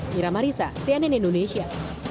mira marissa cnn indonesia